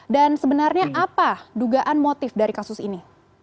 dan sebenarnya apa dugaan motif dari kasus ini